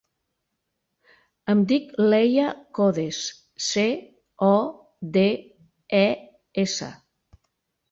Em dic Leia Codes: ce, o, de, e, essa.